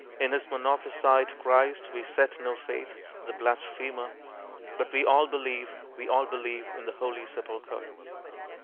In his Monophysite Christ we set no faith, the blasphemer! But we all believe, we all believe, in the Holy Sepulchre!